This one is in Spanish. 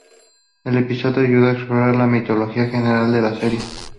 El episodio ayudó a explorar la mitología general de la serie.